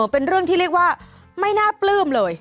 เป็นเรื่องที่เรียกว่าไม่น่าปลื้มเลย